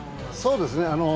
そうですね。